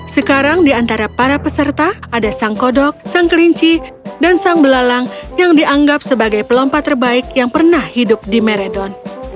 sekarang di antara para peserta ada sang kodok sang kelinci dan sang belalang yang dianggap sebagai pelompat terbaik yang pernah hidup di meredon